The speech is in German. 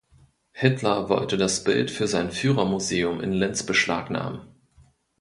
Hitler wollte das Bild für sein Führermuseum in Linz beschlagnahmen.